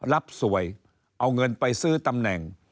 รับสวยเอาเงินไปซื้อตำแหน่ง